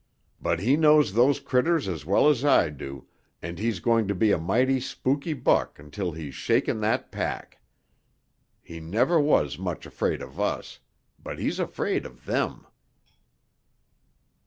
But he knows those critters as well as I do, and he's going to be a mighty spooky buck until he's shaken that pack. He never was much afraid of us. But he's afraid of them."